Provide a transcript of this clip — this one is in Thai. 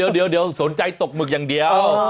เดี๋ยวสนใจตกหมึกอย่างเดียว